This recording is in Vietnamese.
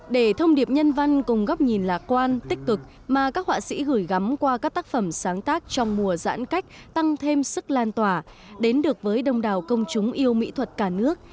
để thông điệp nhân văn cùng góc nhìn lạc quan tích cực mà các họa sĩ gửi gắm qua các tác phẩm sáng tác trong mùa giãn cách tăng thêm sức lan tỏa đến được với đông đảo công chúng yêu mỹ thuật cả nước